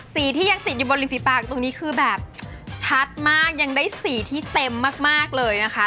ที่ยังติดอยู่บนริมฝีปากตรงนี้คือแบบชัดมากยังได้สีที่เต็มมากเลยนะคะ